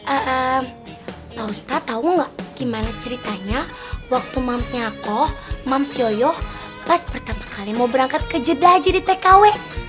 eh pak ustadz tau gak gimana ceritanya waktu mamsnya aku mams yoyo pas pertama kali mau berangkat ke jedah jadi tkw